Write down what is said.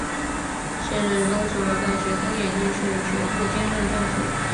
现任东首尔大学公演艺术学部兼任教授。